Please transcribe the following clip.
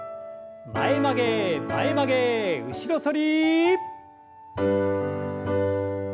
前曲げ前曲げ後ろ反り。